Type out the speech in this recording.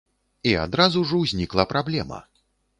І адразу ж узнікла праблема.